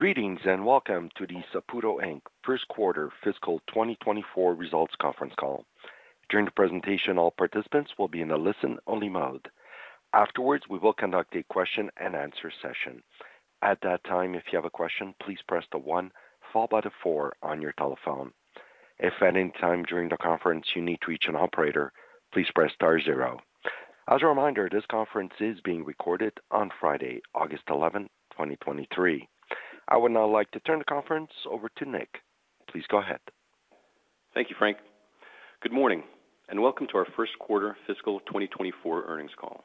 Greetings, and welcome to the Saputo Inc Q1 fiscal 2024 results conference call. During the presentation, all participants will be in a listen-only mode. Afterwards, we will conduct a question-and-answer session. At that time, if you have a question, please press the one followed by the four on your telephone. If at any time during the conference you need to reach an operator, please press star zero. As a reminder, this conference is being recorded on Friday, August 11th, 2023. I would now like to turn the conference over to Nick. Please go ahead. Thank you, Frank. Good morning, and welcome to our Q1 fiscal 2024 earnings call.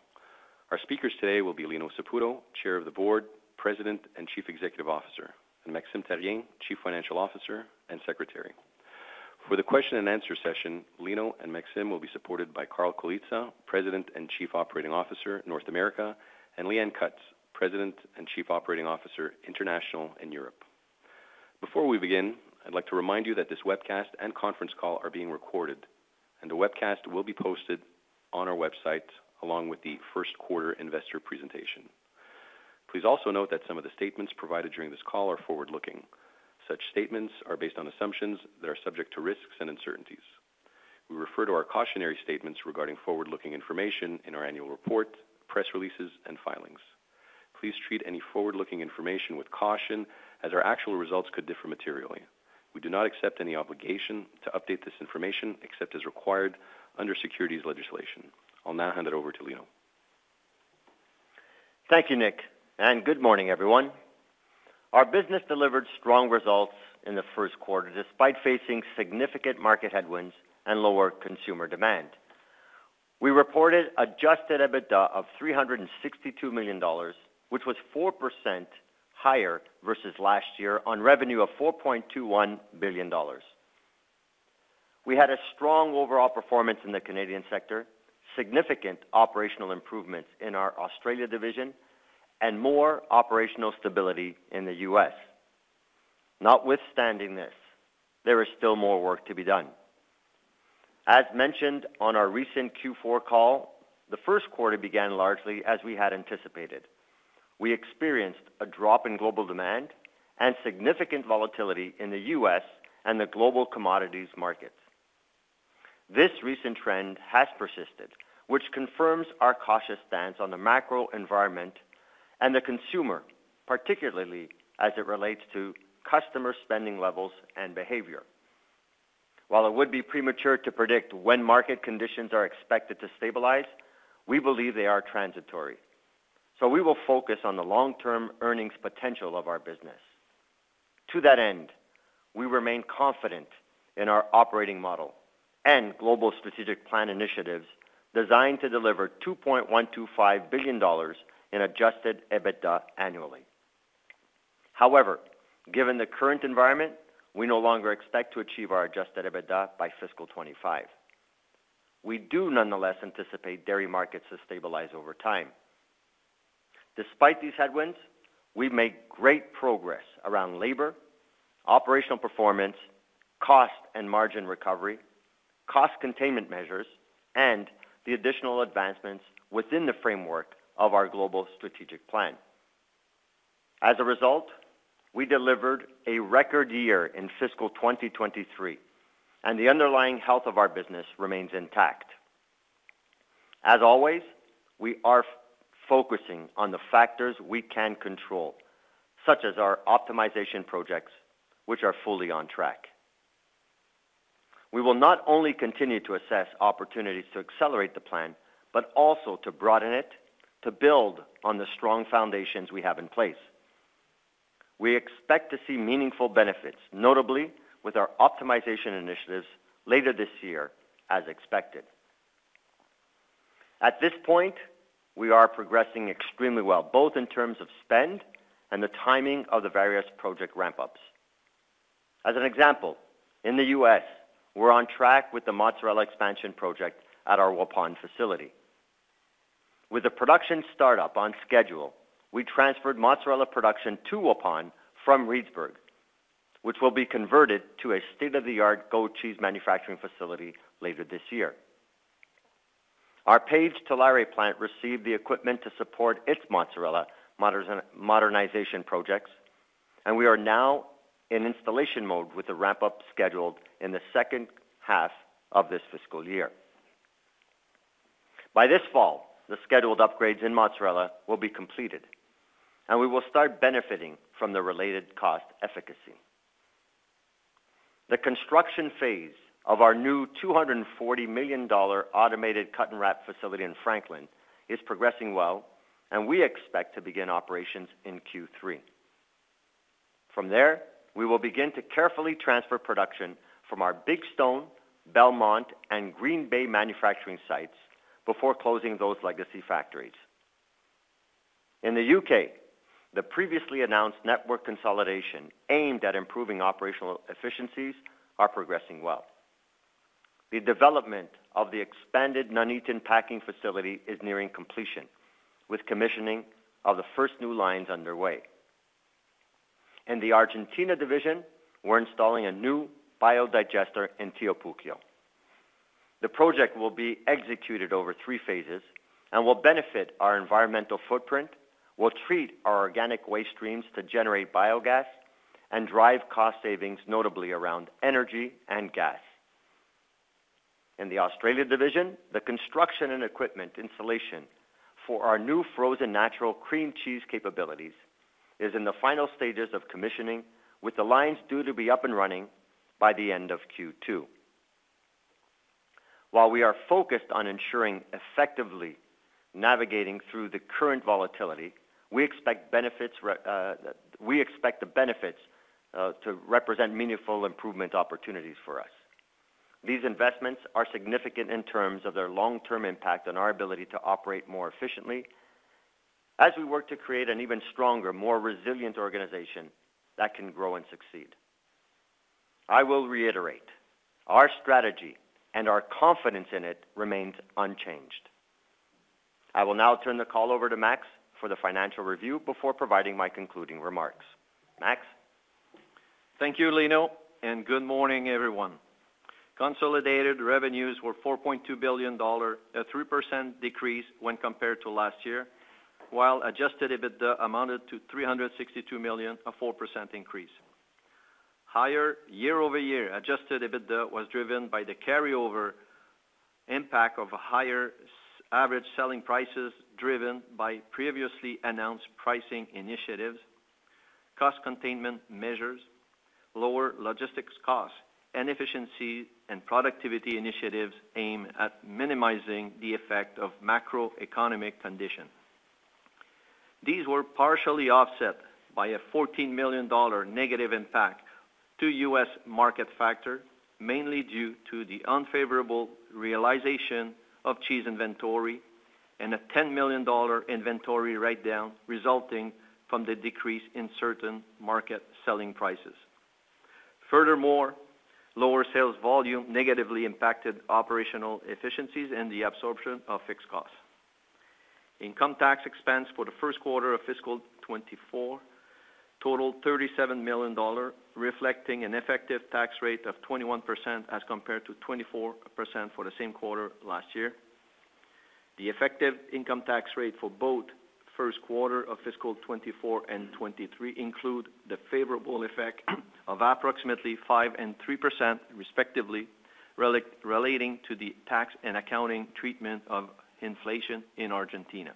Our speakers today will be Lino Saputo, Chair of the Board, President, and Chief Executive Officer, and Maxime Therrien, Chief Financial Officer and Secretary. For the question-and-answer session, Lino and Maxime will be supported by Carl Colizza, President and Chief Operating Officer, North America, and Leanne Cutts, President and Chief Operating Officer, International and Europe. Before we begin, I'd like to remind you that this webcast and conference call are being recorded, and the webcast will be posted on our website, along with the Q1 investor presentation. Please also note that some of the statements provided during this call are forward-looking. Such statements are based on assumptions that are subject to risks and uncertainties. We refer to our cautionary statements regarding forward-looking information in our annual report, press releases, and filings. Please treat any forward-looking information with caution as our actual results could differ materially. We do not accept any obligation to update this information except as required under securities legislation. I'll now hand it over to Lino. Thank you, Nick. Good morning, everyone. Our business delivered strong results in the Q1, despite facing significant market headwinds and lower consumer demand. We reported Adjusted EBITDA of $362 million, which was 4% higher versus last year on revenue of $4.21 billion. We had a strong overall performance in the Canadian sector, significant operational improvements in our Australia division, and more operational stability in the US. Notwithstanding this, there is still more work to be done. As mentioned on our recent Q4 call, the Q1 began largely as we had anticipated. We experienced a drop in global demand and significant volatility in the US and the global commodities markets. This recent trend has persisted, which confirms our cautious stance on the macro environment and the consumer, particularly as it relates to customer spending levels and behavior. While it would be premature to predict when market conditions are expected to stabilize, we believe they are transitory, so we will focus on the long-term earnings potential of our business. To that end, we remain confident in our operating model and global strategic plan initiatives designed to deliver $2.125 billion in Adjusted EBITDA annually. However, given the current environment, we no longer expect to achieve our Adjusted EBITDA by fiscal 2025. We do nonetheless anticipate dairy markets to stabilize over time. Despite these headwinds, we've made great progress around labor, operational performance, cost and margin recovery, cost containment measures, and the additional advancements within the framework of our global strategic plan. As a result, we delivered a record year in fiscal 2023, and the underlying health of our business remains intact. As always, we are focusing on the factors we can control, such as our optimization projects, which are fully on track. We will not only continue to assess opportunities to accelerate the plan, but also to broaden it, to build on the strong foundations we have in place. We expect to see meaningful benefits, notably with our optimization initiatives later this year as expected. At this point, we are progressing extremely well, both in terms of spend and the timing of the various project ramp-ups. As an example, in the US, we're on track with the mozzarella expansion project at our Waupun facility. With the production startup on schedule, we transferred mozzarella production to Waupun from Reedsburg, which will be converted to a state-of-the-art goat cheese manufacturing facility later this year. Our Paige, Tulare plant received the equipment to support its mozzarella modernization projects, and we are now in installation mode with the ramp-up scheduled in the H2 of this fiscal year. By this fall, the scheduled upgrades in mozzarella will be completed, and we will start benefiting from the related cost efficacy. The construction phase of our new $240 million automated cut and wrap facility in Franklin is progressing well, and we expect to begin operations in Q3. From there, we will begin to carefully transfer production from our Big Stone, Belmont, and Green Bay manufacturing sites before closing those legacy factories. In the UK, the previously announced network consolidation aimed at improving operational efficiencies are progressing well. The development of the expanded Nuneaton packing facility is nearing completion, with commissioning of the first new lines underway. In the Argentina division, we're installing a new biodigester in Tío Pujio. The project will be executed over three phases and will benefit our environmental footprint, will treat our organic waste streams to generate biogas, and drive cost savings, notably around energy and gas. In the Australia division, the construction and equipment installation for our new frozen natural cream cheese capabilities is in the final stages of commissioning, with the lines due to be up and running by the end of Q2. While we are focused on ensuring effectively navigating through the current volatility, we expect benefits, we expect the benefits to represent meaningful improvement opportunities for us. These investments are significant in terms of their long-term impact on our ability to operate more efficiently as we work to create an even stronger, more resilient organization that can grow and succeed. I will reiterate, our strategy and our confidence in it remains unchanged. I will now turn the call over to Max for the financial review before providing my concluding remarks. Max? Thank you, Lino. Good morning, everyone. Consolidated revenues were $4.2 billion, a 3% decrease when compared to last year, while Adjusted EBITDA amounted to $362 million, a 4% increase. Higher year-over-year Adjusted EBITDA was driven by the carryover impact of a higher average selling prices, driven by previously announced pricing initiatives, cost containment measures, lower logistics costs, and efficiency and productivity initiatives aimed at minimizing the effect of macroeconomic conditions. These were partially offset by a $14 million negative impact to US market factor, mainly due to the unfavorable realization of cheese inventory and a $10 million inventory write-down, resulting from the decrease in certain market selling prices. Furthermore, lower sales volume negatively impacted operational efficiencies and the absorption of fixed costs. Income tax expense for the Q1 of fiscal 2024 totaled $37 million, reflecting an effective tax rate of 21% as compared to 24% for the same quarter last year. The effective income tax rate for both Q1 of fiscal 2024 and 2023 include the favorable effect of approximately 5% and 3%, respectively, relating to the tax and accounting treatment of inflation in Argentina.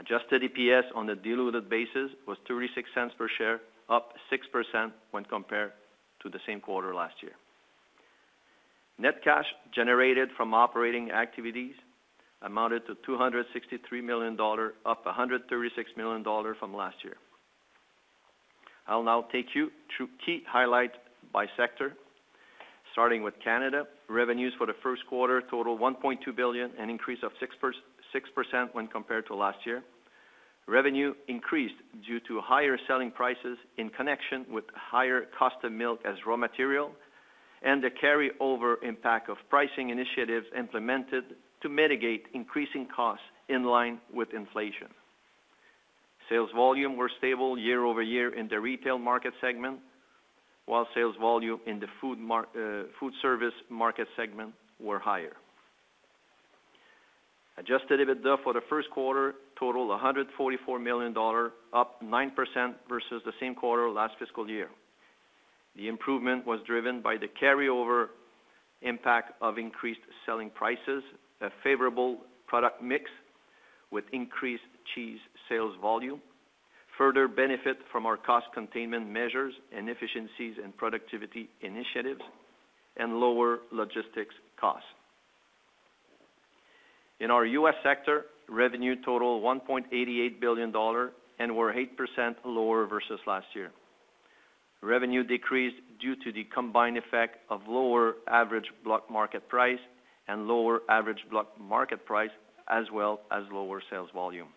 Adjusted EPS on a diluted basis was $0.36 per share, up 6% when compared to the same quarter last year. Net cash generated from operating activities amounted to $263 million, up $136 million from last year. I'll now take you through key highlights by sector, starting with Canada. Revenues for the Q1 totaled $1.2 billion, an increase of 6% when compared to last year. Revenue increased due to higher selling prices in connection with higher cost of milk as raw material and the carryover impact of pricing initiatives implemented to mitigate increasing costs in line with inflation. Sales volume were stable year-over-year in the retail market segment, while sales volume in the food service market segment were higher. Adjusted EBITDA for the Q1 totaled $144 million dollar, up 9% versus the same quarter last fiscal year. The improvement was driven by the carryover impact of increased selling prices, a favorable product mix with increased cheese sales volume, further benefit from our cost containment measures and efficiencies and productivity initiatives, and lower logistics costs. In our US sector, revenue totaled $1.88 billion dollar and were 8% lower versus last year. Revenue decreased due to the combined effect of lower average block market price and lower average block market price, as well as lower sales volume.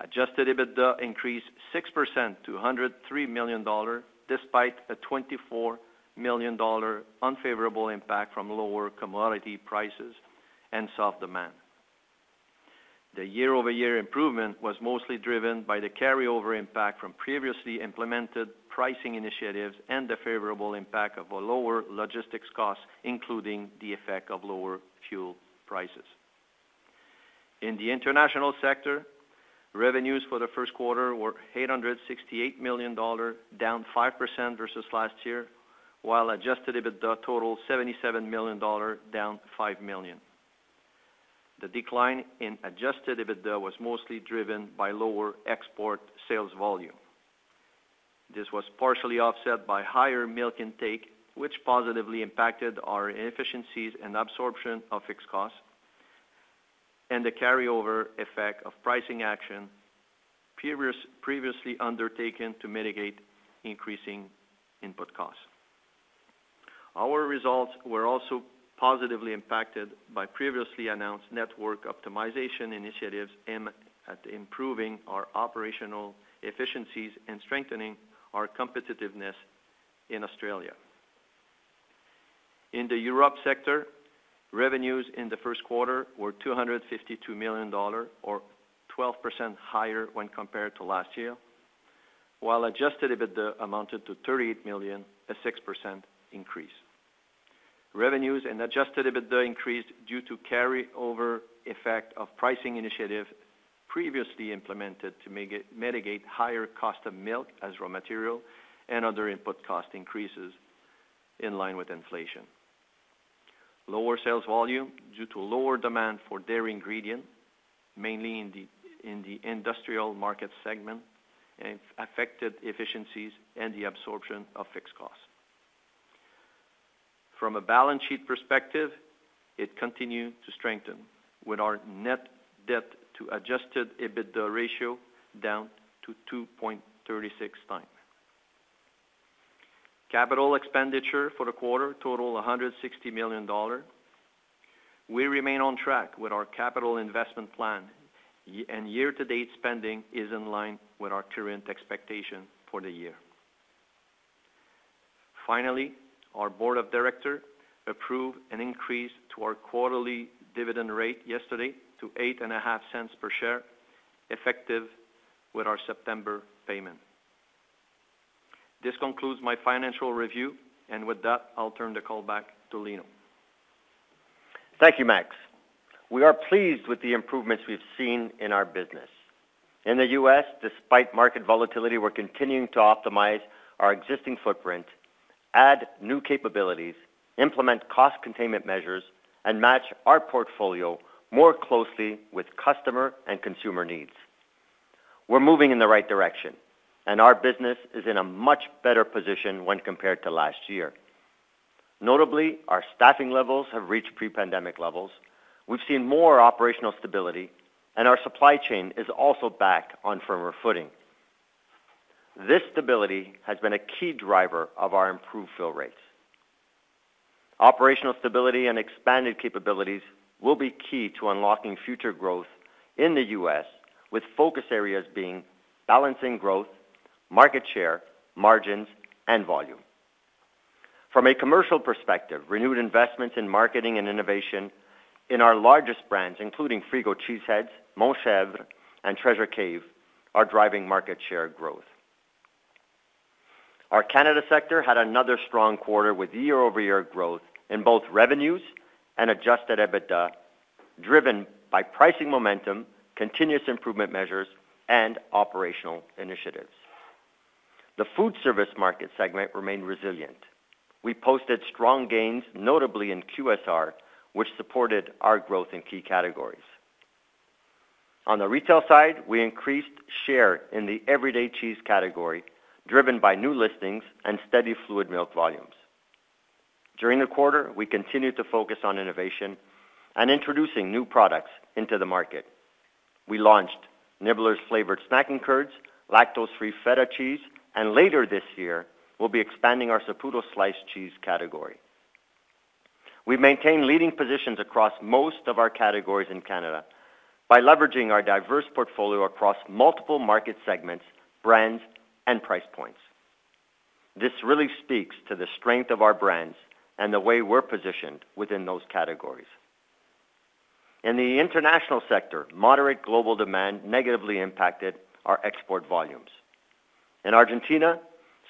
Adjusted EBITDA increased 6% to 103 million dollar, despite a 24 million dollar unfavorable impact from lower commodity prices and soft demand. The year-over-year improvement was mostly driven by the carryover impact from previously implemented pricing initiatives and the favorable impact of a lower logistics cost, including the effect of lower fuel prices. In the International Sector, revenues for the Q1 were 868 million dollar, down 5% versus last year, while Adjusted EBITDA totaled 77 million dollar, down 5 million. The decline in Adjusted EBITDA was mostly driven by lower export sales volume. This was partially offset by higher milk intake, which positively impacted our inefficiencies and absorption of fixed costs, and the carryover effect of pricing action previously undertaken to mitigate increasing input costs. Our results were also positively impacted by previously announced network optimization initiatives aimed at improving our operational efficiencies and strengthening our competitiveness in Australia. In the Europe sector, revenues in the Q1 were $252 million, or 12% higher when compared to last year. While adjusted EBITDA amounted to $38 million, a 6% increase. Revenues and adjusted EBITDA increased due to carryover effect of pricing initiative previously implemented to mitigate higher cost of milk as raw material and other input cost increases in line with inflation. Lower sales volume due to lower demand for dairy ingredient, mainly in the industrial market segment, and affected efficiencies and the absorption of fixed costs. From a balance sheet perspective, it continued to strengthen with our net debt to Adjusted EBITDA ratio down to 2.36x. Capital expenditure for the quarter totaled 160 million dollars. We remain on track with our capital investment plan, and year-to-date spending is in line with our current expectation for the year. Finally, our board of directors approved an increase to our quarterly dividend rate yesterday to 0.085 per share, effective with our September payment. This concludes my financial review, and with that, I'll turn the call back to Lino. Thank you, Max. We are pleased with the improvements we've seen in our business. In the US, despite market volatility, we're continuing to optimize our existing footprint, add new capabilities, implement cost containment measures, and match our portfolio more closely with customer and consumer needs. We're moving in the right direction. Our business is in a much better position when compared to last year. Notably, our staffing levels have reached pre-pandemic levels. We've seen more operational stability. Our supply chain is also back on firmer footing. This stability has been a key driver of our improved fill rates. Operational stability and expanded capabilities will be key to unlocking future growth in the US, with focus areas being balancing growth, market share, margins, and volume. From a commercial perspective, renewed investments in marketing and innovation in our largest brands, including Frigo Cheese Heads, Montchevre, and Treasure Cave, are driving market share growth. Our Canada sector had another strong quarter with year-over-year growth in both revenues and Adjusted EBITDA, driven by pricing momentum, continuous improvement measures, and operational initiatives. The food service market segment remained resilient. We posted strong gains, notably in QSR, which supported our growth in key categories. On the retail side, we increased share in the everyday cheese category, driven by new listings and steady fluid milk volumes. During the quarter, we continued to focus on innovation and introducing new products into the market. We launched Nibblers flavored snacking curds, lactose-free feta cheese, and later this year, we'll be expanding our Saputo sliced cheese category. We've maintained leading positions across most of our categories in Canada by leveraging our diverse portfolio across multiple market segments, brands, and price points. This really speaks to the strength of our brands and the way we're positioned within those categories. In the international sector, moderate global demand negatively impacted our export volumes. In Argentina,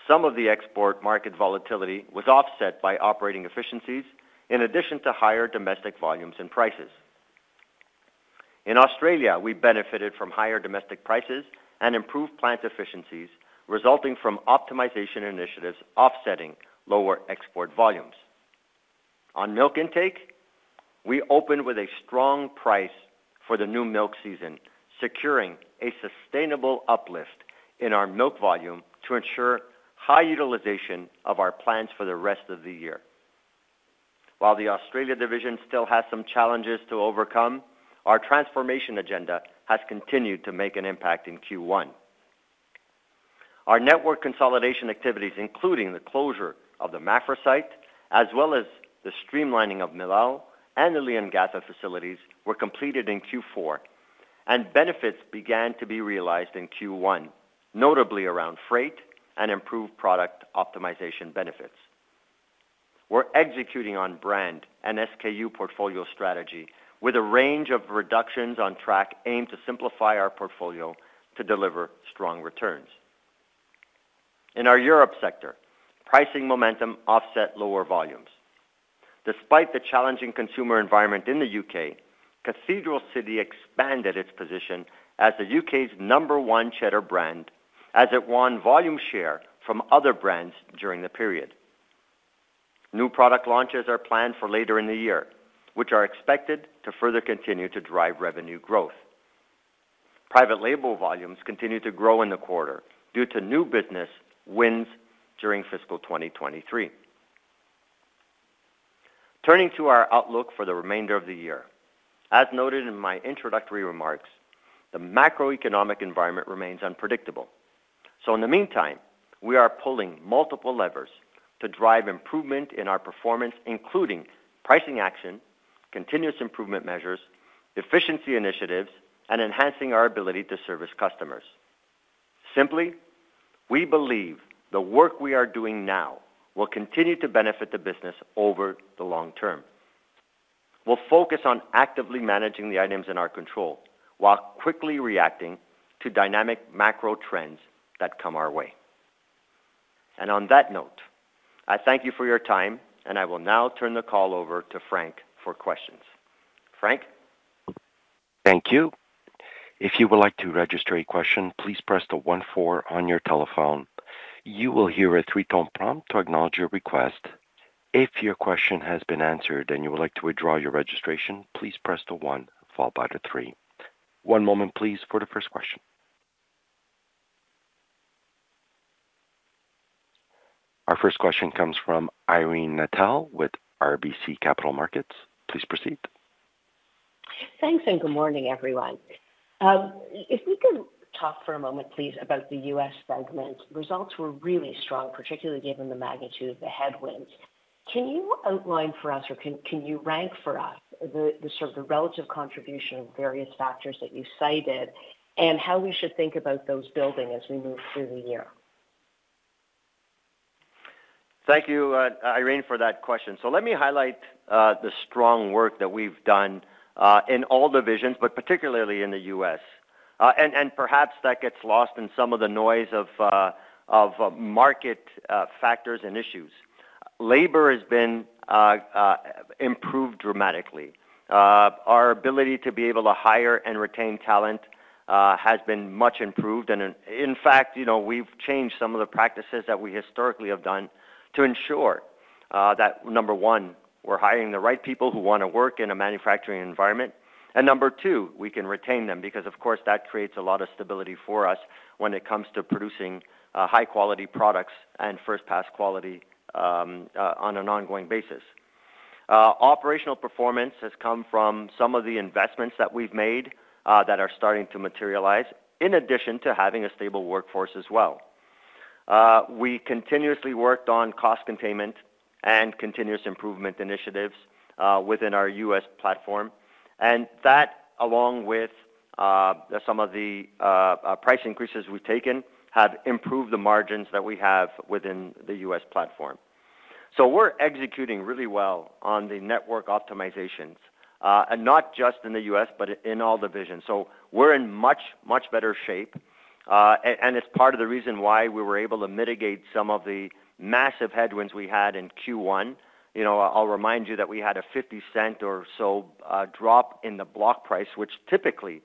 some of the export market volatility was offset by operating efficiencies, in addition to higher domestic volumes and prices. In Australia, we benefited from higher domestic prices and improved plant efficiencies, resulting from optimization initiatives, offsetting lower export volumes. On milk intake, we opened with a strong price for the new milk season, securing a sustainable uplift in our milk volume to ensure high utilization of our plants for the rest of the year. While the Australia division still has some challenges to overcome, our transformation agenda has continued to make an impact in Q1. Our network consolidation activities, including the closure of the Maffra site, as well as the streamlining MIL LEL and the Leongatha facilities, were completed in Q4, and benefits began to be realized in Q1, notably around freight and improved product optimization benefits. We're executing on brand and SKU portfolio strategy with a range of reductions on track, aimed to simplify our portfolio to deliver strong returns. In our Europe sector, pricing momentum offset lower volumes. Despite the challenging consumer environment in the UK, Cathedral City expanded its position as the UK's number one Cheddar brand, as it won volume share from other brands during the period. New product launches are planned for later in the year, which are expected to further continue to drive revenue growth. private label volumes continued to grow in the quarter due to new business wins during fiscal 2023. Turning to our outlook for the remainder of the year. As noted in my introductory remarks, the macroeconomic environment remains unpredictable. In the meantime, we are pulling multiple levers to drive improvement in our performance, including pricing action, continuous improvement measures, efficiency initiatives, and enhancing our ability to service customers. Simply, we believe the work we are doing now will continue to benefit the business over the long term. We'll focus on actively managing the items in our control, while quickly reacting to dynamic macro trends that come our way. On that note, I thank you for your time, and I will now turn the call over to Frank for questions. Frank? Thank you. If you would like to register a question, please press the one four on your telephone. You will hear a three tone prompt to acknowledge your request. If your question has been answered and you would like to withdraw your registration, please press the one followed by the three. One moment, please, for the first question. Our first question comes from Irene Nattel with RBC Capital Markets. Please proceed. Thanks. Good morning, everyone. If we can talk for a moment, please, about the US segment. Results were really strong, particularly given the magnitude of the headwinds. Can you outline for us, or can you rank for us the, the sort of the relative contribution of various factors that you cited, and how we should think about those building as we move through the year? Thank you, Irene, for that question. Let me highlight the strong work that we've done in all divisions, but particularly in the US Perhaps that gets lost in some of the noise of market factors and issues. Labor has been improved dramatically. Our ability to be able to hire and retain talent has been much improved. In fact, you know, we've changed some of the practices that we historically have done to ensure that number one, we're hiring the right people who want to work in a manufacturing environment. Number two, we can retain them, because, of course, that creates a lot of stability for us when it comes to producing high-quality products and first-pass quality on an ongoing basis. Operational performance has come from some of the investments that we've made that are starting to materialize, in addition to having a stable workforce as well. We continuously worked on cost containment and continuous improvement initiatives within our US platform, and that, along with some of the price increases we've taken, have improved the margins that we have within the US platform. We're executing really well on the network optimizations, and not just in the US, but in all divisions. We're in much, much better shape, and it's part of the reason why we were able to mitigate some of the massive headwinds we had in Q1. You know, I'll remind you that we had a $0.50 or so drop in the block price, which typically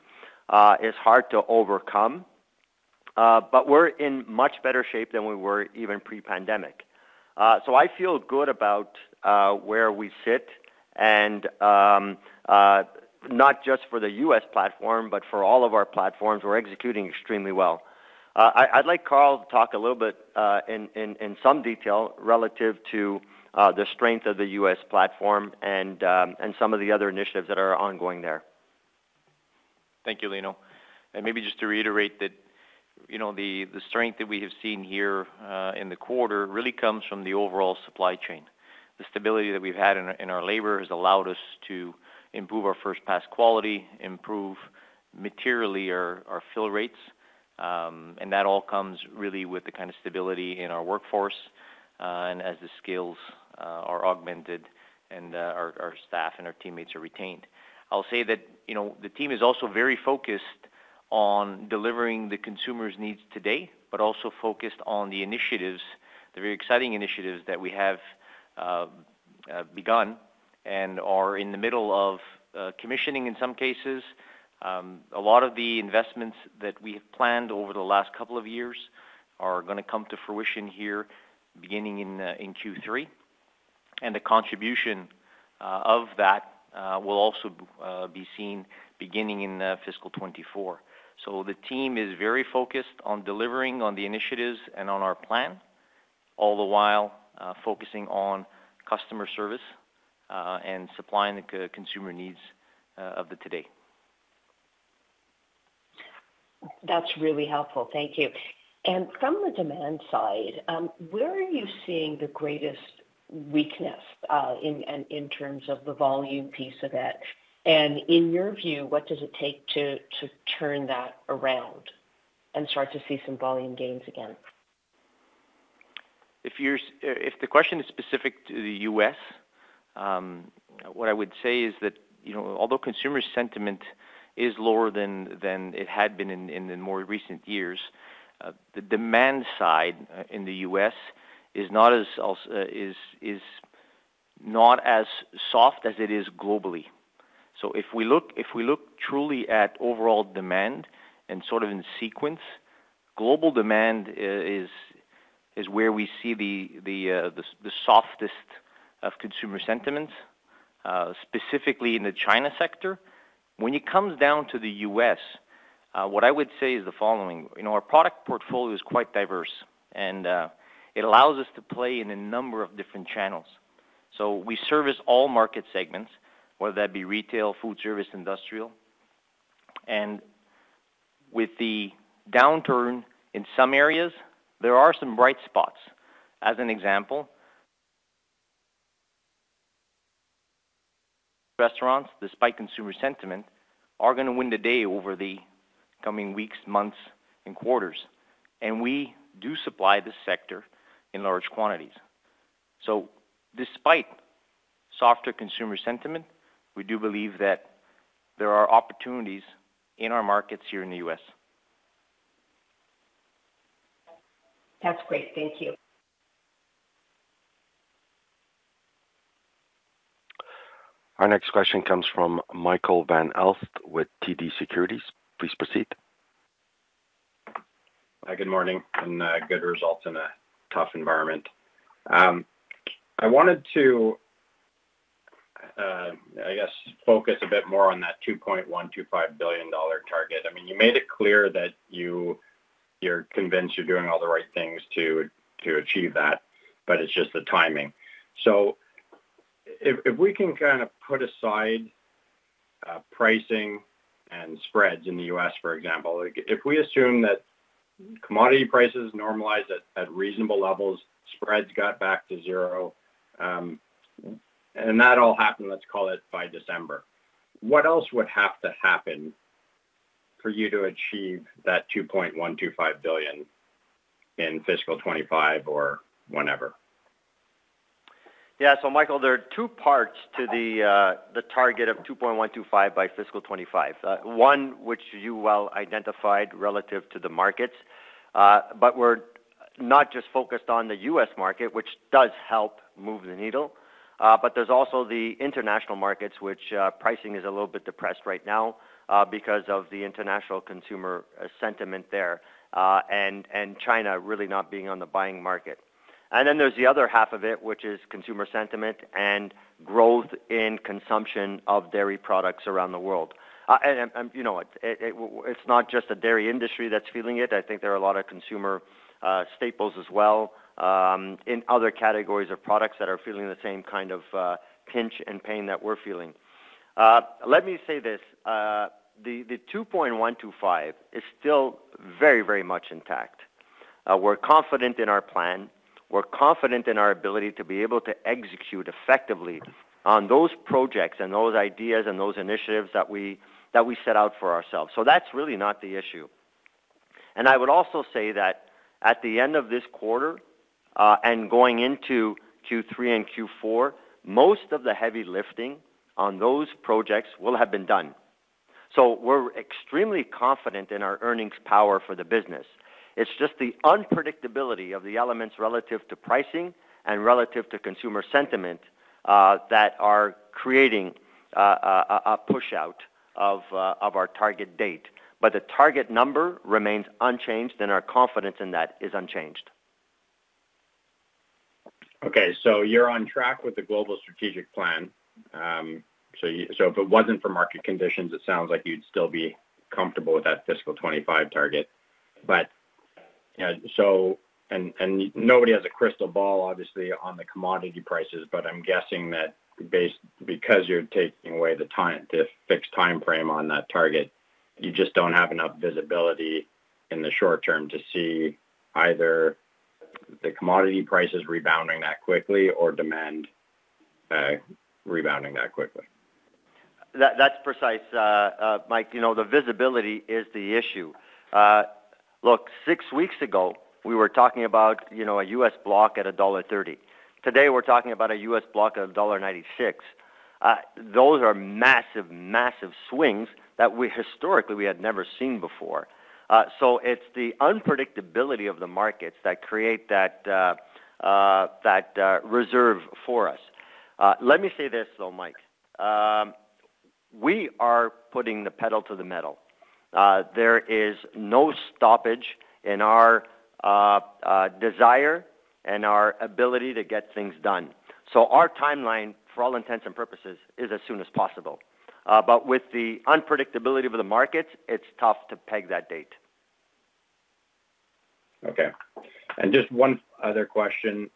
is hard to overcome, but we're in much better shape than we were even pre-pandemic. I feel good about where we sit, and not just for the US platform, but for all of our platforms, we're executing extremely well. I, I'd like Carl to talk a little bit in, in, in some detail relative to the strength of the US platform and some of the other initiatives that are ongoing there. Thank you, Lino. Maybe just to reiterate that, you know, the, the strength that we have seen here in the quarter, really comes from the overall supply chain. The stability that we've had in our, in our labor has allowed us to improve our first-pass quality, improve materially our, our fill rates, and that all comes really with the kind of stability in our workforce, and as the skills are augmented and our, our staff and our teammates are retained. I'll say that, you know, the team is also very focused on delivering the consumer's needs today, but also focused on the initiatives, the very exciting initiatives that we have begun and are in the middle of commissioning in some cases. A lot of the investments that we have planned over the last couple of years are going to come to fruition here, beginning in Q3, and the contribution of that will also be seen beginning in fiscal 2024. The team is very focused on delivering on the initiatives and on our plan, all the while focusing on customer service and supplying the consumer needs of the today. That's really helpful. Thank you. From the demand side, where are you seeing the greatest weakness in terms of the volume piece of it? In your view, what does it take to, to turn that around and start to see some volume gains again? If the question is specific to the US, what I would say is that, you know, although consumer sentiment is lower than it had been in the more recent years, the demand side in the US is not as soft as it is globally. If we look, if we look truly at overall demand and sort of in sequence, global demand is where we see the softest of consumer sentiments, specifically in the China sector. When it comes down to the US, what I would say is the following, You know, our product portfolio is quite diverse, and it allows us to play in a number of different channels. We service all market segments, whether that be retail, food service, industrial. With the downturn in some areas, there are some bright spots. As an example, restaurants, despite consumer sentiment, are going to win the day over. coming weeks, months, and quarters, and we do supply this sector in large quantities. Despite softer consumer sentiment, we do believe that there are opportunities in our markets here in the US. That's great. Thank you. Our next question comes from Michael Van Aelst with TD Securities. Please proceed. Hi, good morning, and good results in a tough environment. I wanted to, I guess, focus a bit more on that 2.125 billion dollar target. I mean, you made it clear that you're convinced you're doing all the right things to achieve that, but it's just the timing. If, if we can kind of put aside pricing and spreads in the US, for example, like, if we assume that commodity prices normalize at reasonable levels, spreads got back to zero, and that all happened, let's call it by December, what else would have to happen for you to achieve that 2.125 billion in fiscal 2025 or whenever? Yeah, Michael, there are two parts to the target of 2.125 by fiscal 2025. One, which you well identified relative to the markets, we're not just focused on the US market, which does help move the needle, but there's also the international markets, which pricing is a little bit depressed right now because of the international consumer sentiment there, and China really not being on the buying market. Then there's the other half of it, which is consumer sentiment and growth in consumption of dairy products around the world. You know, it, it, it's not just the dairy industry that's feeling it. I think there are a lot of consumer staples as well, in other categories of products that are feeling the same kind of pinch and pain that we're feeling. Let me say this, the 2.125 is still very, very much intact. We're confident in our plan. We're confident in our ability to be able to execute effectively on those projects and those ideas and those initiatives that we, that we set out for ourselves. That's really not the issue. I would also say that at the end of this quarter, and going into Q3 and Q4, most of the heavy lifting on those projects will have been done. We're extremely confident in our earnings power for the business. It's just the unpredictability of the elements relative to pricing and relative to consumer sentiment, that are creating a pushout of, of our target date. The target number remains unchanged, and our confidence in that is unchanged. Okay, so you're on track with the global strategic plan. If it wasn't for market conditions, it sounds like you'd still be comfortable with that fiscal 2025 target. Nobody has a crystal ball, obviously, on the commodity prices, but I'm guessing because you're taking away the time, the fixed timeframe on that target, you just don't have enough visibility in the short term to see either the commodity prices rebounding that quickly or demand rebounding that quickly. That, that's precise, Mike. You know, the visibility is the issue. Look, six weeks ago, we were talking about, you know, a US block at $1.30. Today, we're talking about a US block at $1.96. Those are massive, massive swings that we historically, we had never seen before. So it's the unpredictability of the markets that create that, that, reserve for us. Let me say this, though, Mike. We are putting the pedal to the metal. There is no stoppage in our, desire and our ability to get things done. So our timeline, for all intents and purposes, is as soon as possible. But with the unpredictability of the markets, it's tough to peg that date. Okay. Just one other question.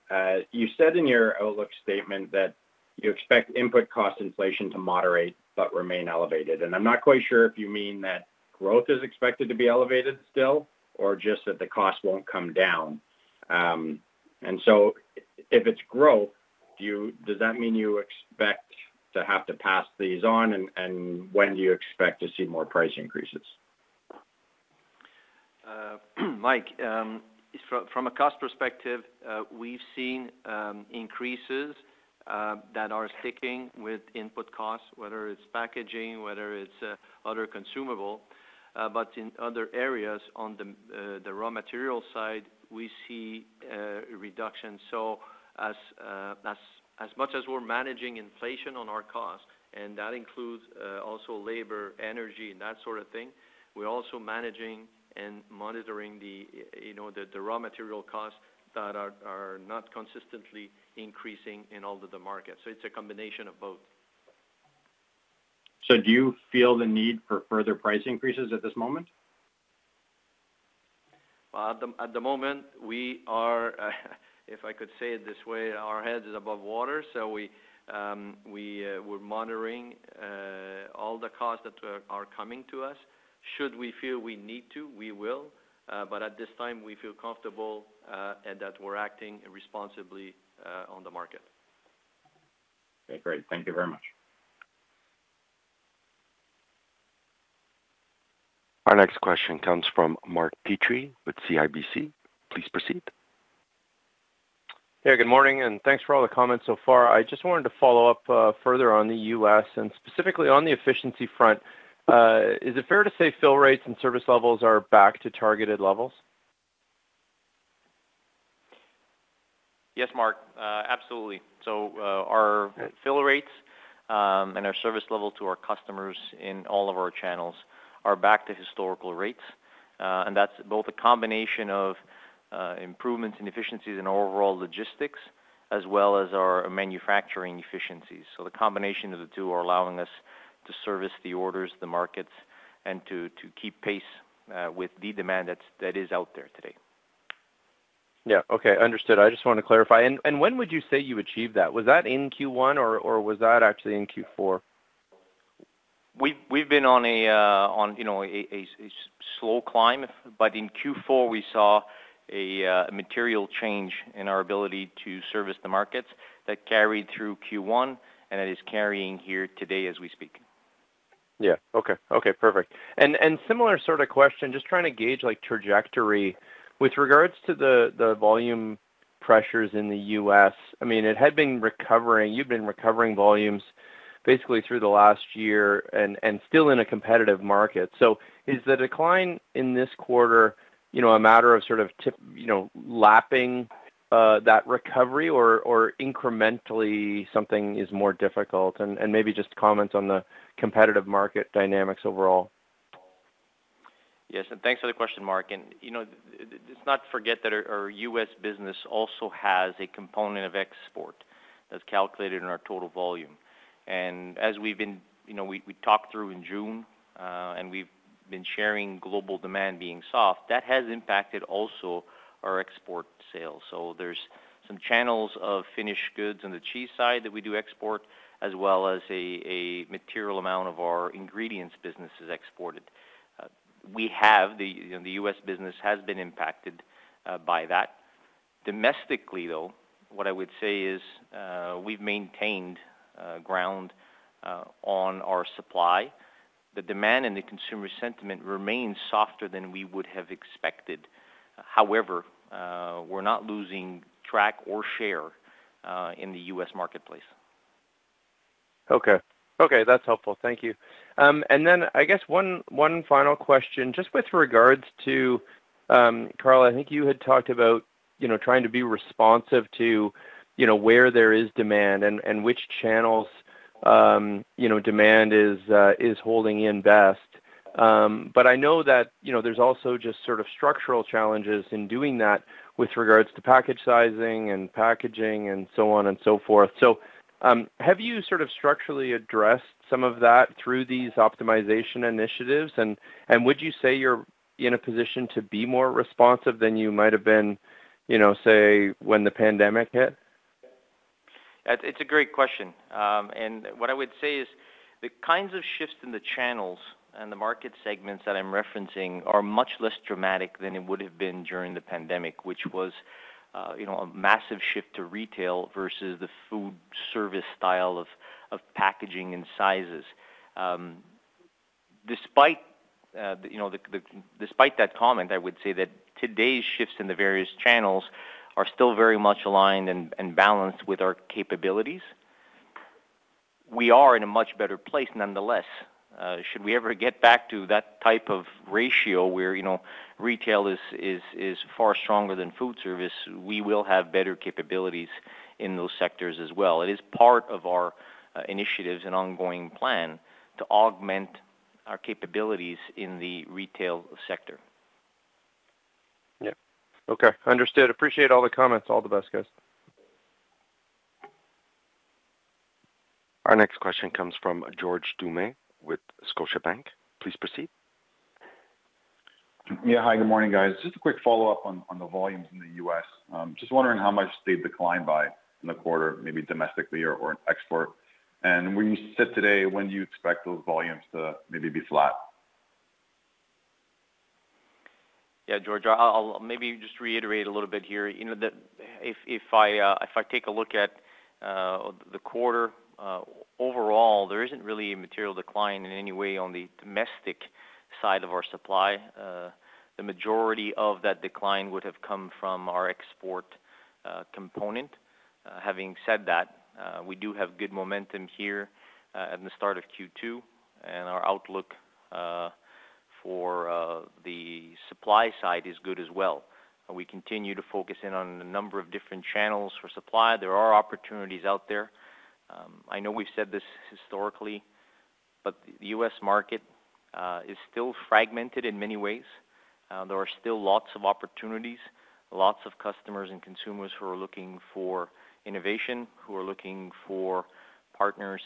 You said in your outlook statement that you expect input cost inflation to moderate but remain elevated. I'm not quite sure if you mean that growth is expected to be elevated still, or just that the cost won't come down. If it's growth, does that mean you expect to have to pass these on, and when do you expect to see more price increases? Mike, from, from a cost perspective, we've seen increases that are sticking with input costs, whether it's packaging, whether it's other consumable, but in other areas, on the raw material side, we see reduction. As, as, as much as we're managing inflation on our costs, and that includes also labor, energy, and that sort of thing, we're also managing and monitoring the, you know, the, the raw material costs that are, are not consistently increasing in all of the markets. It's a combination of both. Do you feel the need for further price increases at this moment? Well, at the, at the moment, we are, if I could say it this way, our head is above water. We, we're monitoring all the costs that are coming to us. Should we feel we need to, we will. At this time, we feel comfortable, and that we're acting responsibly on the market. Okay, great. Thank you very much. Our next question comes from Mark Petrie with CIBC. Please proceed. Hey, good morning, and thanks for all the comments so far. I just wanted to follow up, further on the US, and specifically on the efficiency front. Is it fair to say fill rates and service levels are back to targeted levels? Yes, Mark, absolutely. Our fill rates, and our service level to our customers in all of our channels are back to historical rates. That's both a combination of improvements in efficiencies and overall logistics, as well as our manufacturing efficiencies. The combination of the two are allowing us to service the orders, the markets, and to, to keep pace with the demand that, that is out there today. Yeah, okay. Understood. I just wanted to clarify. When would you say you achieved that? Was that in Q1 or was that actually in Q4? We've been on a, you know, a slow climb. In Q4, we saw a material change in our ability to service the markets. That carried through Q1. It is carrying here today as we speak. Yeah. Okay. Okay, perfect. Similar sort of question, just trying to gauge, like, trajectory. With regards to the, the volume pressures in the US, I mean, it had been recovering. You've been recovering volumes basically through the last year and, and still in a competitive market. Is the decline in this quarter, you know, a matter of sort of tip, you know, lapping that recovery or, or incrementally, something is more difficult? Maybe just comment on the competitive market dynamics overall. Yes, thanks for the question, Mark. You know, let's not forget that our US business also has a component of export that's calculated in our total volume. As we've been. You know, we talked through in June, and we've been sharing global demand being soft, that has impacted also our export sales. There's some channels of finished goods on the cheese side that we do export, as well as a material amount of our ingredients business is exported. We have the, you know, the US business has been impacted by that. Domestically, though, what I would say is, we've maintained ground on our supply. The demand and the consumer sentiment remains softer than we would have expected. However, we're not losing track or share in the US marketplace. Okay. Okay, that's helpful. Thank you. I guess one, one final question, just with regards to, Carl, I think you had talked about, you know, trying to be responsive to, you know, where there is demand and, and which channels, you know, demand is, is holding in best. I know that, you know, there's also just sort of structural challenges in doing that with regards to package sizing and packaging and so on and so forth. Have you sort of structurally addressed some of that through these optimization initiatives? Would you say you're in a position to be more responsive than you might have been, you know, say, when the pandemic hit? It's a great question. What I would say is, the kinds of shifts in the channels and the market segments that I'm referencing are much less dramatic than it would have been during the pandemic, which was, you know, a massive shift to retail versus the foodservice style of, of packaging and sizes. Despite, you know, Despite that comment, I would say that today's shifts in the various channels are still very much aligned and, and balanced with our capabilities. We are in a much better place, nonetheless. Should we ever get back to that type of ratio where, you know, retail is, is, is far stronger than foodservice, we will have better capabilities in those sectors as well. It is part of our initiatives and ongoing plan to augment our capabilities in the retail sector. Yeah. Okay, understood. Appreciate all the comments. All the best, guys. Our next question comes from George Doumet with Scotiabank. Please proceed. Yeah. Hi, good morning, guys. Just a quick follow-up on, on the volumes in the US. Just wondering how much they declined by in the quarter, maybe domestically or in export? Where you sit today, when do you expect those volumes to maybe be flat? Yeah, George, I'll, I'll maybe just reiterate a little bit here. You know, that if, if I, if I take a look at, the quarter, overall, there isn't really a material decline in any way on the domestic side of our supply. The majority of that decline would have come from our export, component. Having said that, we do have good momentum here, at the start of Q2, and our outlook, for, the supply side is good as well. We continue to focus in on a number of different channels for supply. There are opportunities out there. I know we've said this historically, but the US market, is still fragmented in many ways. There are still lots of opportunities, lots of customers and consumers who are looking for innovation, who are looking for partners,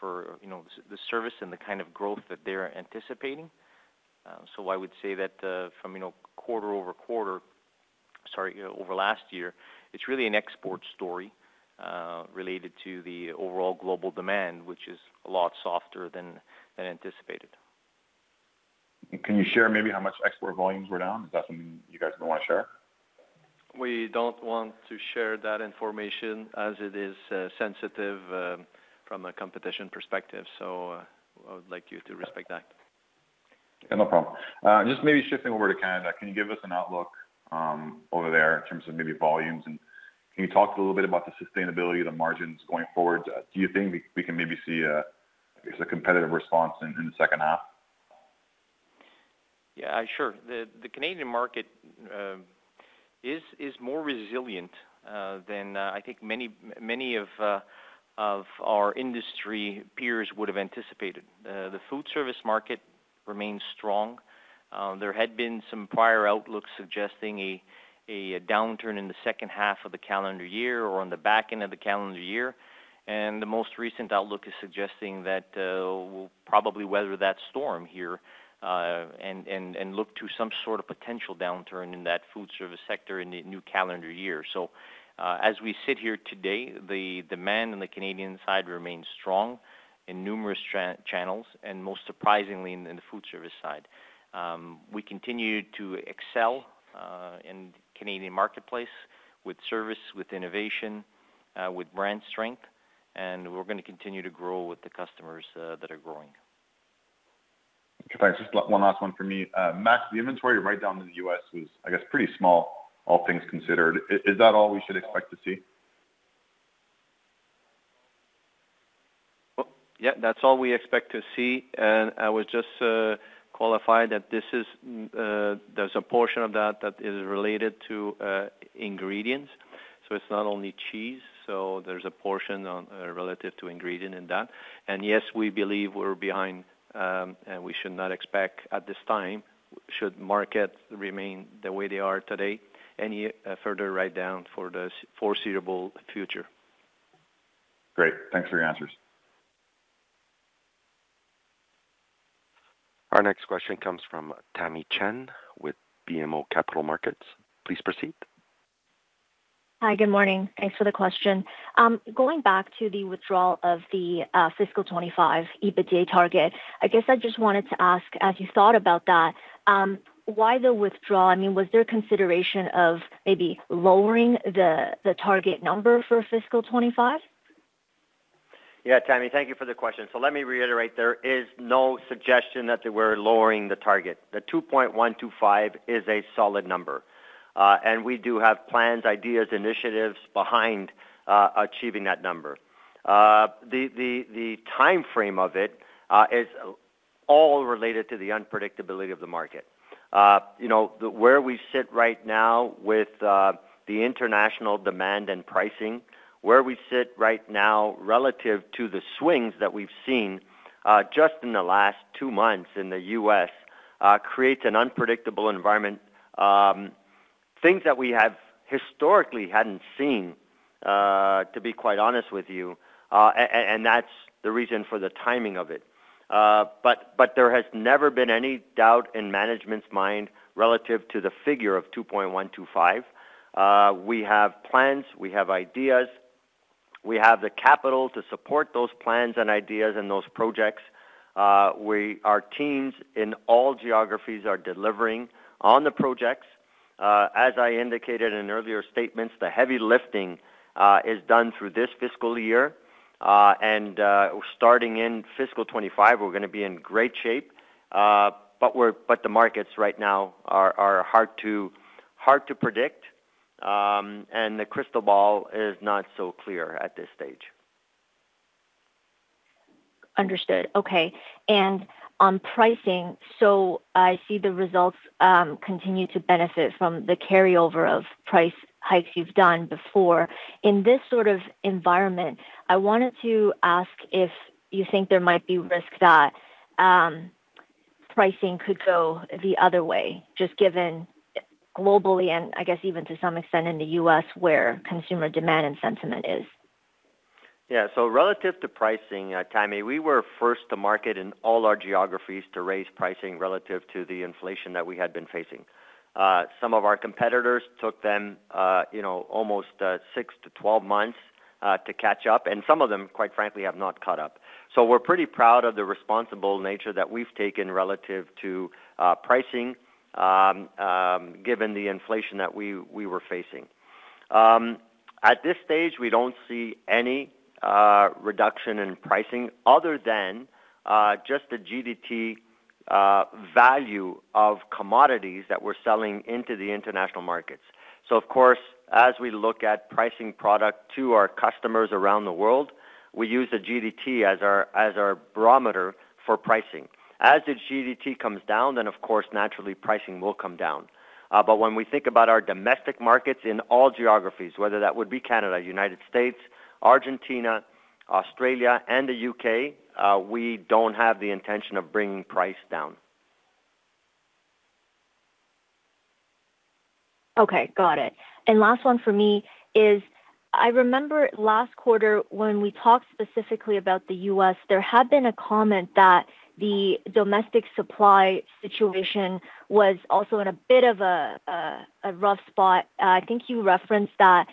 for, you know, the service and the kind of growth that they're anticipating. I would say that, from, you know, quarter-over-quarter, sorry, over last year, it's really an export story, related to the overall global demand, which is a lot softer than, than anticipated. Can you share maybe how much export volumes were down? Is that something you guys don't want to share? We don't want to share that information as it is sensitive from a competition perspective, so I would like you to respect that. Yeah, no problem. just maybe shifting over to Canada, can you give us an outlook over there in terms of maybe volumes? Can you talk a little bit about the sustainability of the margins going forward? Do you think we, we can maybe see a, I guess, a competitive response in, in the H2? Yeah, sure. The, the Canadian market, is, is more resilient, than, I think many, many of, of our industry peers would have anticipated. The food service market remains strong. There had been some prior outlook suggesting a, a downturn in the H2 of the calendar year or on the back end of the calendar year. The most recent outlook is suggesting that, we'll probably weather that storm here, and, and, and look to some sort of potential downturn in that food service sector in the new calendar year. As we sit here today, the demand in the Canadian side remains strong in numerous channels, and most surprisingly, in the food service side. We continue to excel in Canadian marketplace with service, with innovation, with brand strength, and we're going to continue to grow with the customers that are growing. Okay, thanks. Just one last one for me. Max, the inventory right down in the US was, I guess, pretty small, all things considered. Is that all we should expect to see? Well, yeah, that's all we expect to see. I would just qualify that this is, there's a portion of that that is related to ingredients, so it's not only cheese, so there's a portion on relative to ingredient in that. Yes, we believe we're behind, and we should not expect at this time, should markets remain the way they are today, any further write down for the foreseeable future. Great. Thanks for your answers. Our next question comes from Tamy Chen with BMO Capital Markets. Please proceed. Hi, good morning. Thanks for the question. Going back to the withdrawal of the fiscal 2025 EBITDA target, I guess I just wanted to ask, as you thought about that, why the withdrawal? I mean, was there consideration of maybe lowering the, the target number for fiscal 2025? Yeah, Tamy, thank you for the question. Let me reiterate, there is no suggestion that we're lowering the target. The 2.125 is a solid number, and we do have plans, ideas, initiatives behind achieving that number. The time frame of it is all related to the unpredictability of the market. You know, where we sit right now with the international demand and pricing, where we sit right now relative to the swings that we've seen just in the last two months in the US, creates an unpredictable environment, things that we have historically hadn't seen to be quite honest with you, and that's the reason for the timing of it. But there has never been any doubt in management's mind relative to the figure of 2.125. We have plans, we have ideas, we have the capital to support those plans and ideas and those projects. Our teams in all geographies are delivering on the projects. As I indicated in earlier statements, the heavy lifting is done through this fiscal year. Starting in fiscal 2025, we're going to be in great shape. The markets right now are, are hard to, hard to predict, and the crystal ball is not so clear at this stage. Understood. Okay. On pricing, I see the results continue to benefit from the carryover of price hikes you've done before. In this sort of environment, I wanted to ask if you think there might be risk that pricing could go the other way, just given globally and I guess even to some extent in the US where consumer demand and sentiment is? Yeah. relative to pricing, Tammy, we were first to market in all our geographies to raise pricing relative to the inflation that we had been facing. Some of our competitors took them, you know, almost six to 12 months to catch up, and some of them, quite frankly, have not caught up. We're pretty proud of the responsible nature that we've taken relative to pricing, given the inflation that we, we were facing. At this stage, we don't see any reduction in pricing other than just the GDT value of commodities that we're selling into the international markets. Of course, as we look at pricing product to our customers around the world, we use a GDT as our, as our barometer for pricing. As the GDT comes down, then of course, naturally pricing will come down. When we think about our domestic markets in all geographies, whether that would be Canada, United States, Argentina, Australia, and the UK, we don't have the intention of bringing price down. Okay, got it. Last one for me is, I remember last quarter when we talked specifically about the US, there had been a comment that the domestic supply situation was also in a bit of a rough spot. I think you referenced that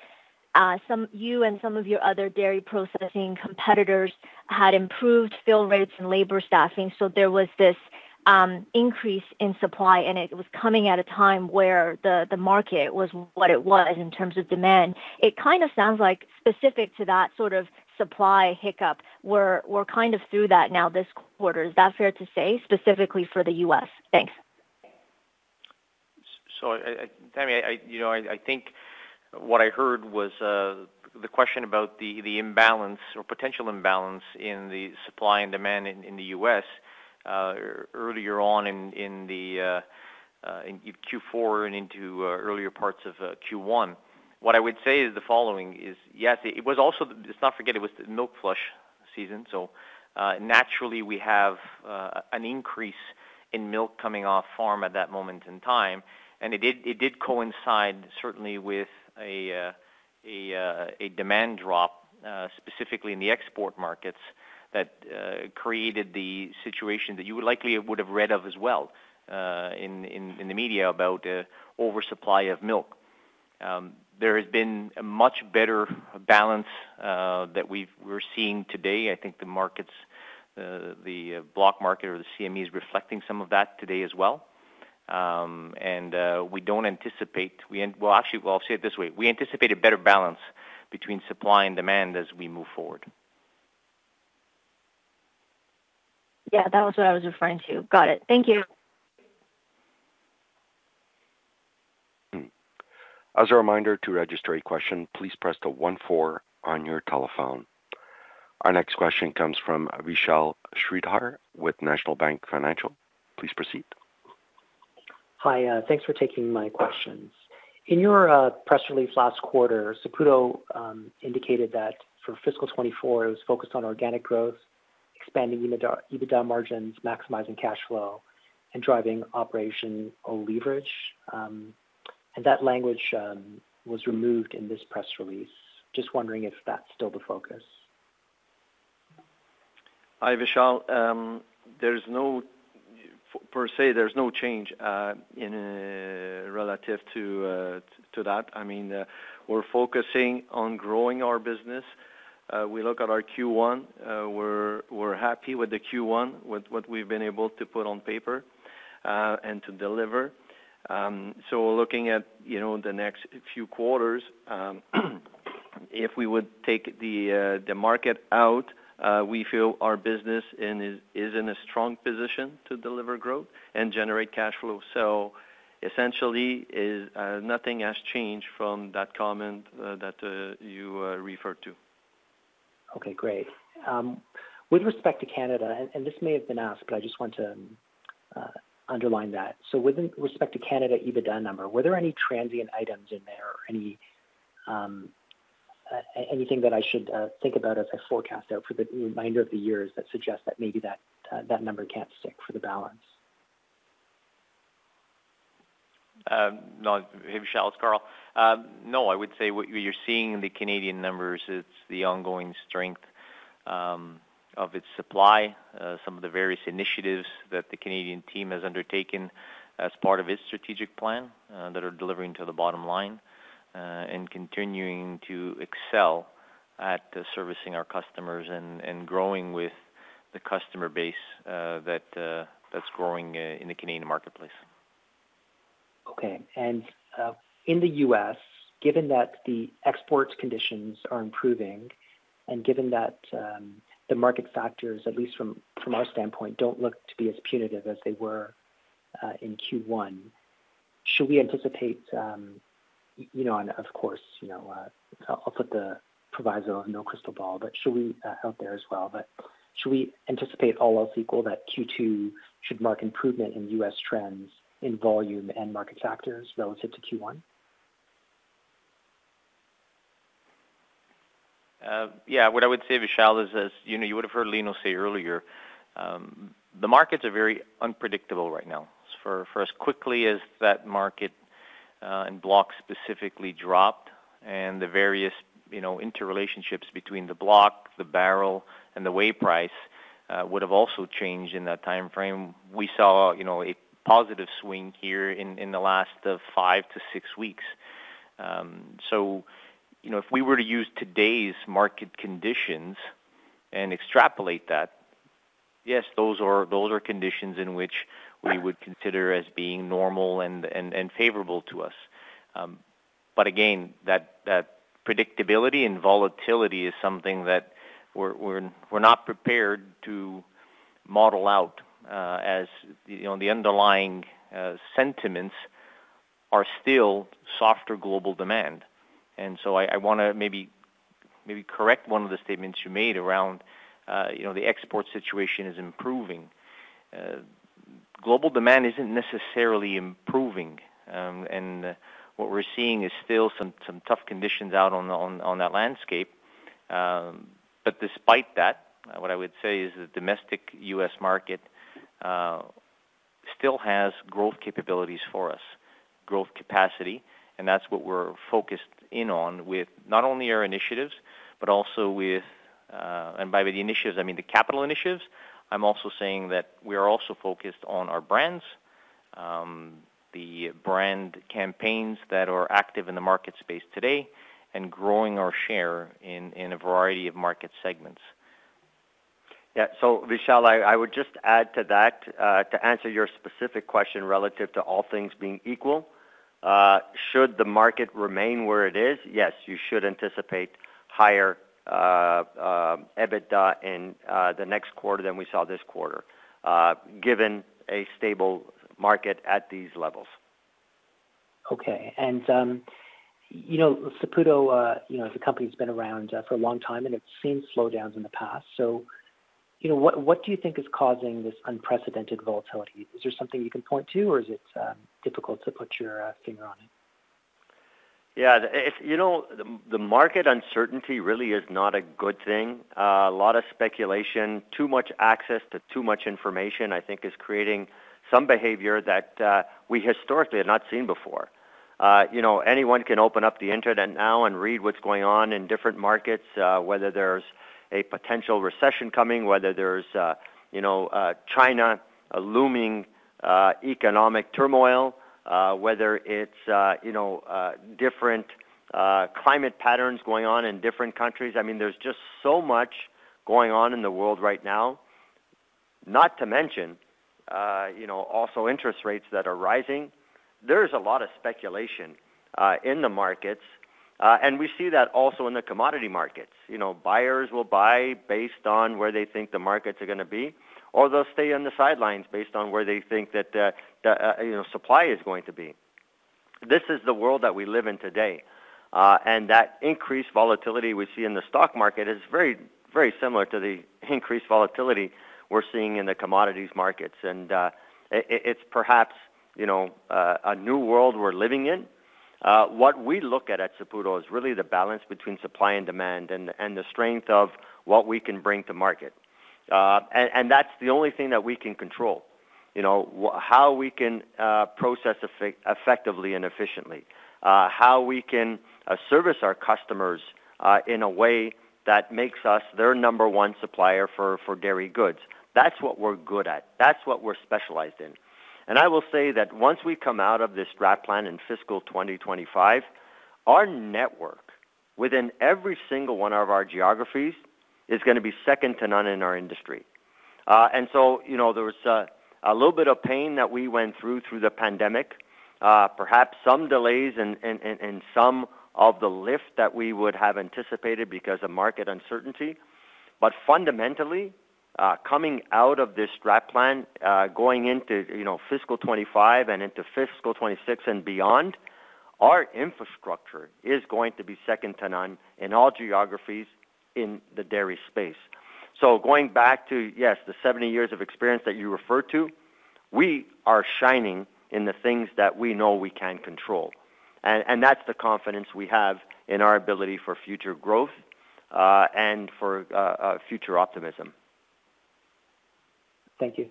some, you and some of your other dairy processing competitors had improved fill rates and labor staffing, so there was this increase in supply, and it was coming at a time where the, the market was what it was in terms of demand. It kind of sounds like specific to that sort of supply hiccup, we're, we're kind of through that now this quarter. Is that fair to say, specifically for the US? Thanks. Tamy Chen, I, you know, I, I think what I heard was the question about the, the imbalance or potential imbalance in the supply and demand in, in the US earlier on in Q4 and into earlier parts of Q1. What I would say is the following is, yes, it was also, let's not forget it was the milk flush season, so naturally, we have an increase in milk coming off farm at that moment in time, and it did coincide certainly with a demand drop specifically in the export markets, that created the situation that you would likely would have read of as well in the media about oversupply of milk. There has been a much better balance that we're seeing today. I think the markets, the block market or the CME is reflecting some of that today as well. We don't anticipate. well, actually, well, I'll say it this way, we anticipate a better balance between supply and demand as we move forward. Yeah, that was what I was referring to. Got it. Thank you. As a reminder to register a question, please press the one-four on your telephone. Our next question comes from Vishal Sridhar with National Bank Financial. Please proceed. Hi, thanks for taking my questions. In your press release last quarter, Saputo indicated that for fiscal 2024, it was focused on organic growth, expanding EBITDA, EBITDA margins, maximizing cash flow, and driving operational leverage. That language was removed in this press release. Just wondering if that's still the focus? Hi, Vishal. There's no, per se, there's no change in relative to that. I mean, we're focusing on growing our business. We look at our Q1, we're happy with the Q1, with what we've been able to put on paper and to deliver. We're looking at, you know, the next few quarters, if we would take the market out, we feel our business is in a strong position to deliver growth and generate cash flow. Essentially, nothing has changed from that comment that you referred to. Okay, great. With respect to Canada, and, and this may have been asked, but I just want to underline that. With respect to Canada, EBITDA number, were there any transient items in there or any anything that I should think about as I forecast out for the remainder of the years that suggest that maybe that number can't stick for the balance? No, Vishal, it's Carl. No, I would say what you're seeing in the Canadian numbers is the ongoing strength of its supply, some of the various initiatives that the Canadian team has undertaken as part of its strategic plan that are delivering to the bottom line and continuing to excel at servicing our customers and, and growing with the customer base that that's growing in the Canadian marketplace. Okay. In the US, given that the export conditions are improving and given that the market factors, at least from our standpoint, don't look to be as punitive as they were in Q1, should we anticipate, you know, and of course, you know, I'll put the proviso of no crystal ball, but should we out there as well? Should we anticipate all else equal, that Q2 should mark improvement in US trends in volume and market factors relative to Q1? Yeah, what I would say, Vishal, is, as you know, you would have heard Lino say earlier, the markets are very unpredictable right now. As quickly as that market, and block specifically dropped and the various, you know, interrelationships between the block, the barrel, and the whey price, would have also changed in that time frame. We saw, you know, a positive swing here in the last five to six weeks. You know, if we were to use today's market conditions and extrapolate that, yes, those are, those are conditions in which we would consider as being normal and, and, and favorable to us. Again, that, that predictability and volatility is something that we're, we're, we're not prepared to model out, as, you know, the underlying sentiments are still softer global demand. So I, I want to maybe, maybe correct one of the statements you made around, you know, the export situation is improving. Global demand isn't necessarily improving, and what we're seeing is still some, some tough conditions out on, on, on that landscape. Despite that, what I would say is the domestic US market, still has growth capabilities for us, growth capacity, and that's what we're focused in on with not only our initiatives, but also with, and by the initiatives, I mean the capital initiatives. I'm also saying that we are also focused on our brands. The brand campaigns that are active in the market space today and growing our share in, in a variety of market segments. Vishal, I, I would just add to that to answer your specific question relative to all things being equal, should the market remain where it is? Yes, you should anticipate higher EBITDA in the next quarter than we saw this quarter, given a stable market at these levels. Okay. You know, Saputo, you know, the company's been around for a long time, and it's seen slowdowns in the past. You know, what, what do you think is causing this unprecedented volatility? Is there something you can point to, or is it difficult to put your finger on it? Yeah, it's, you know, the market uncertainty really is not a good thing. A lot of speculation, too much access to too much information, I think is creating some behavior that we historically have not seen before. You know, anyone can open up the internet now and read what's going on in different markets, whether there's a potential recession coming, whether there's, you know, China, a looming economic turmoil, whether it's, you know, different climate patterns going on in different countries. I mean, there's just so much going on in the world right now. Not to mention, you know, also interest rates that are rising. There's a lot of speculation in the markets, and we see that also in the commodity markets. You know, buyers will buy based on where they think the markets are going to be, or they'll stay on the sidelines based on where they think that the, the, you know, supply is going to be. This is the world that we live in today, and that increased volatility we see in the stock market is very, very similar to the increased volatility we're seeing in the commodities markets. It's perhaps, you know, a new world we're living in. What we look at, at Saputo is really the balance between supply and demand and, and the strength of what we can bring to market. That's the only thing that we can control. You know, how we can process effectively and efficiently, how we can service our customers in a way that makes us their number one supplier for, for dairy goods. That's what we're good at. That's what we're specialized in. I will say that once we come out of this STRAT plan in fiscal 2025, our network within every single one of our geographies, is going to be second to none in our industry. You know, there was a, a little bit of pain that we went through through the pandemic, perhaps some delays and, and, and, and some of the lift that we would have anticipated because of market uncertainty. Fundamentally, coming out of this STRAT plan, going into, you know, fiscal 2025 and into fiscal 2026 and beyond, our infrastructure is going to be second to none in all geographies in the dairy space. Going back to, yes, the 70 years of experience that you referred to, we are shining in the things that we know we can control, and, and that's the confidence we have in our ability for future growth, and for, future optimism. Thank you.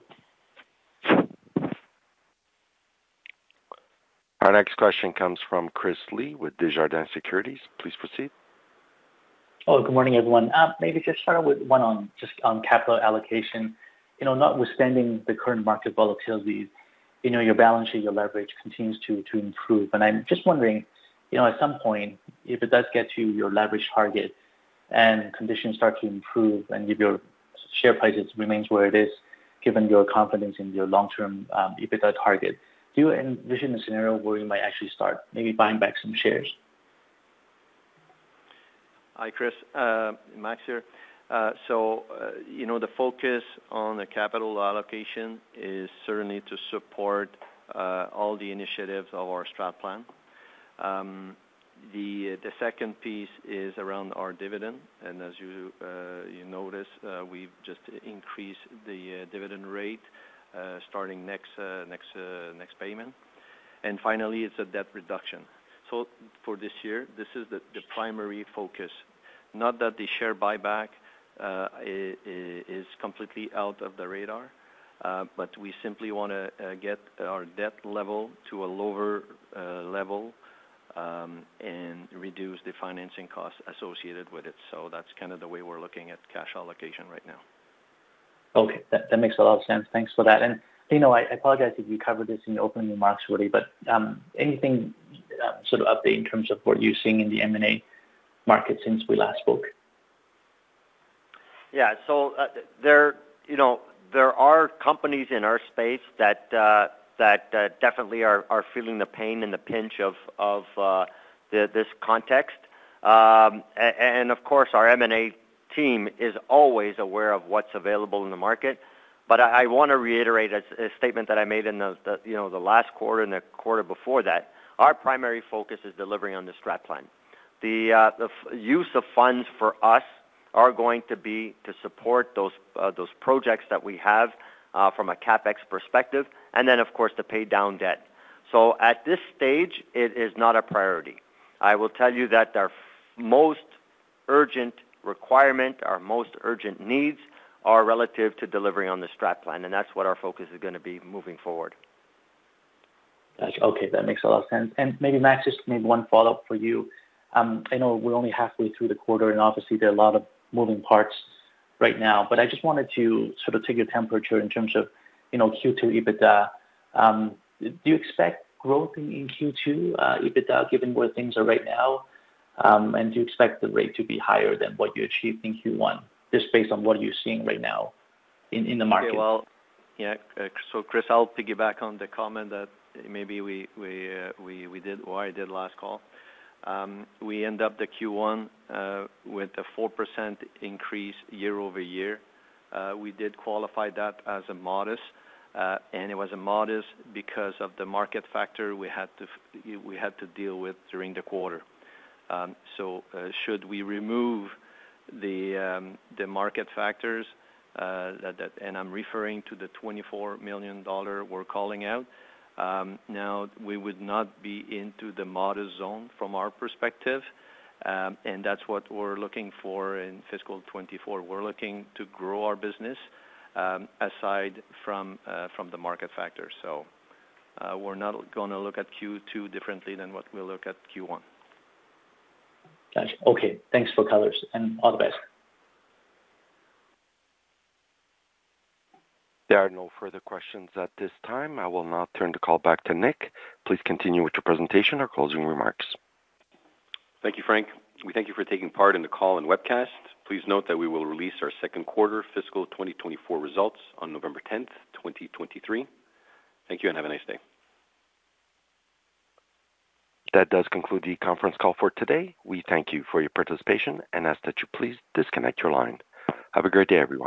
Our next question comes from Chris Li with Desjardins Securities. Please proceed. Oh, good morning, everyone. Maybe just start with one on, just on capital allocation. You know, notwithstanding the current market volatility, you know, your balance sheet, your leverage continues to, to improve. I'm just wondering, you know, at some point, if it does get to your leverage target and conditions start to improve and if your share price remains where it is, given your confidence in your long-term EBITDA target, do you envision a scenario where you might actually start maybe buying back some shares? Hi, Chris. Max here. You know, the focus on the capital allocation is certainly to support all the initiatives of our STRAT plan. The second piece is around our dividend, and as you, you notice, we've just increased the dividend rate starting next payment. Finally, it's a debt reduction. For this year, this is the primary focus. Not that the share buyback is completely out of the radar, but we simply want to get our debt level to a lower level and reduce the financing costs associated with it. That's kind of the way we're looking at cash allocation right now. Okay, that, that makes a lot of sense. Thanks for that. You know, I, I apologize if you covered this in the opening remarks already, but, anything, sort of update in terms of what you're seeing in the M&A market since we last spoke? Yeah. There, you know, there are companies in our space that, that, definitely are, are feeling the pain and the pinch of this context. Of course, our M&A team is always aware of what's available in the market. I, I want to reiterate a statement that I made in the, you know, the last quarter and the quarter before that. Our primary focus is delivering on the STRAT plan. The use of funds for us are going to be to support those projects that we have from a CapEx perspective, and then, of course, to pay down debt. At this stage, it is not a priority. I will tell you that our most urgent requirement, our most urgent needs, are relative to delivering on the STRAT plan. That's what our focus is going to be moving forward. Got you. Okay, that makes a lot of sense. Maybe, Max, just maybe one follow-up for you. I know we're only halfway through the quarter, and obviously, there are a lot of moving parts right now, but I just wanted to sort of take a temperature in terms of, you know, Q2 EBITDA. Do you expect growth in, in Q2 EBITDA, given where things are right now? Do you expect the rate to be higher than what you achieved in Q1, just based on what you're seeing right now in, in the market? Okay. Well, yeah. Chris, I'll piggyback on the comment that maybe we, we, we did or I did last call. We end up the Q1 with a 4% increase year-over-year. We did qualify that as a modest, and it was a modest because of the market factor we had to deal with during the quarter. Should we remove the market factors that, and I'm referring to the $24 million we're calling out, now, we would not be into the modest zone from our perspective, and that's what we're looking for in fiscal 2024. We're looking to grow our business aside from from the market factor. We're not going to look at Q2 differently than what we look at Q1. Got you. Okay, thanks for colors, and all the best. There are no further questions at this time. I will now turn the call back to Nick. Please continue with your presentation or closing remarks. Thank you, Frank. We thank you for taking part in the call and webcast. Please note that we will release our Q2 fiscal 2024 results on November 10th, 2023. Thank you, and have a nice day. That does conclude the conference call for today. We thank you for your participation and ask that you please disconnect your line. Have a great day, everyone.